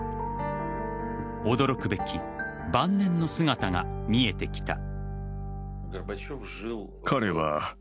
驚くべき晩年の姿が見えてきた。